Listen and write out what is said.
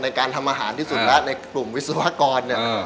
ในการทำอาหารที่สุดรักษ์ในกลุ่มวิศวะกรแน่